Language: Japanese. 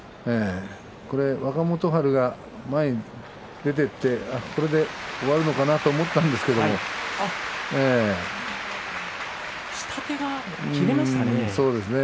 若元春が前に出ていってこれで終わるのかな？と下手が切れましたね。